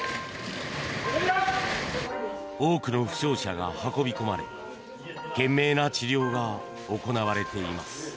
多くの負傷者が運び込まれ懸命な治療が行われています。